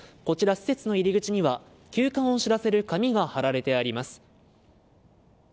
こちら、施設の入り口には休館を知らせる紙が貼られてあります。